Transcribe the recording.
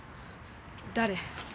誰？